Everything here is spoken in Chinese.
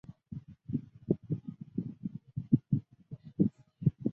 这说明了电压器的等效电阻和电压源频率的反关系。